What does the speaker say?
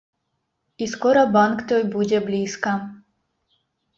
І скора банк той будзе блізка.